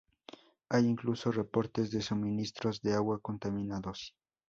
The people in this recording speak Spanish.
Hay incluso reportes de suministros de agua contaminados.